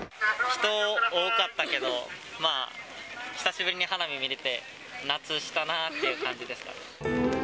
人、多かったけど、まあ、久しぶりに花火見れて、夏したなーっていう感じですかね。